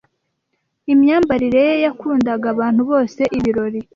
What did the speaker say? Imyambarire ye yakundaga abantu bose ibirori.